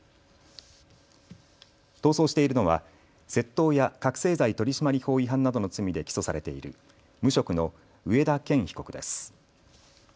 逃走しているのは窃盗や覚醒剤取締法違反などの罪で起訴されている無職の上田健被告です。